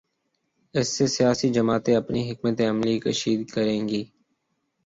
اسی سے سیاسی جماعتیں اپنی حکمت عملی کشید کریں گی۔